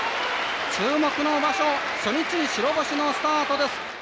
注目の場所、初日白星のスタートです。